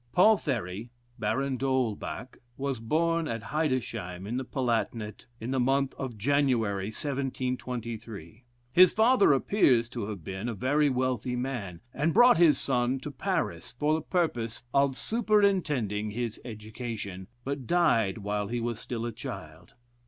Paul Thyry, Baron D'Holbach, was born at Heidesheim, in the Palatinate, in the month of January, 1723. His father appears to have been a very wealthy man, and brought his son to Paris, for the purpose of superintending his education, but died white he was still a child.